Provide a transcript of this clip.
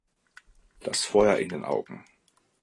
Das Feuer in den Augen.